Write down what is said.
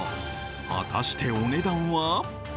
果たしてお値段は？